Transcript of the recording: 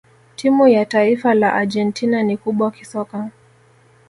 timu ya taifa la argentina ni kubwa kisoka